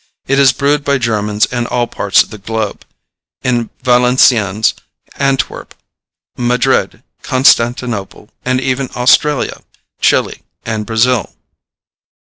It is brewed by Germans in all parts of the globe in Valenciennes, Antwerp, Madrid, Constantinople, and even in Australia, Chili, and Brazil.